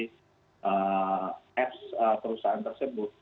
di aplikasi perusahaan tersebut